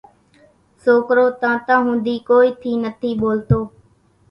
سوڪرو تانتان ھوڌي ڪونئين ٿي نٿي ٻولتو